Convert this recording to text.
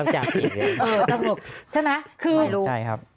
ใช่ครับ